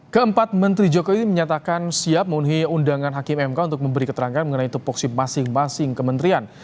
keempat menteri jokowi menyatakan siap memenuhi undangan hakim mk untuk memberi keterangan mengenai tupoksi masing masing kementerian